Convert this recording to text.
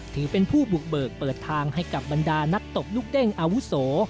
ถือเป็นผู้บุกเบิกเปิดทางให้กับบรรดานักตบลูกเด้งอาวุโส